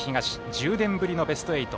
１０年ぶりのベスト８。